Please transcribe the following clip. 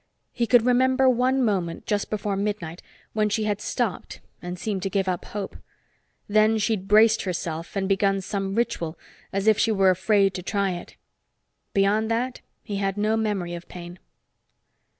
He could remember one moment, just before midnight, when she had stopped and seemed to give up hope. Then she'd braced herself and begun some ritual as if she were afraid to try it. Beyond that, he had no memory of pain.